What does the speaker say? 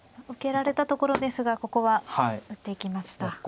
受けられたところですがここは打っていきました。